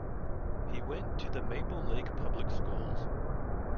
He went to the Maple Lake public schools.